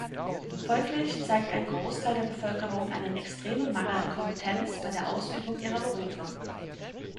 Folglich zeigt ein Großteil der Bevölkerung einen extremen Mangel an Kompetenz bei der Ausübung ihrer Berufe.